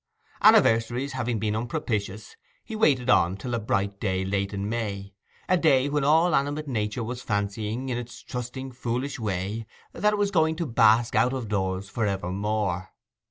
Anniversaries having been unpropitious, he waited on till a bright day late in May—a day when all animate nature was fancying, in its trusting, foolish way, that it was going to bask out of doors for evermore.